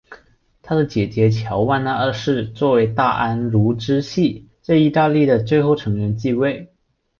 他的姐姐乔万娜二世作为大安茹支系在意大利的最后成员继位。